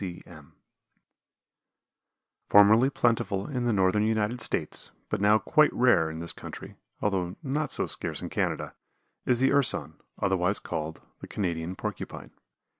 C. C. M. Formerly plentiful in the northern United States, but now quite rare in this country, although not so scarce in Canada, is the Urson, otherwise called the Canadian Porcupine.